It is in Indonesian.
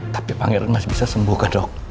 tapi pangeran masih bisa sembuh ke dok